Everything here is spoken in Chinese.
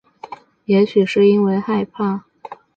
也许是因为害怕